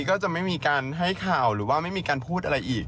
ก็จะไม่มีการให้ข่าวหรือว่าไม่มีการพูดอะไรอีก